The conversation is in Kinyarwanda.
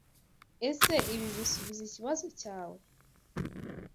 Ese ibi bisubiza ikibazo cyawe?